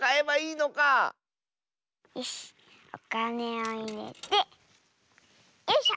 よしおかねをいれてよいしょ！